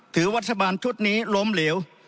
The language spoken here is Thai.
ถือวัฒนาบานชุดนี้ล้มเหลว